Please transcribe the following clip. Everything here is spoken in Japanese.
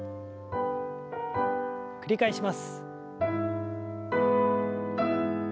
繰り返します。